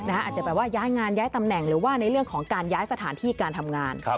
อาจจะแบบว่าย้ายงานย้ายตำแหน่งหรือว่าในเรื่องของการย้ายสถานที่การทำงาน